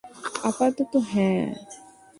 আপাতত, হ্যাঁ।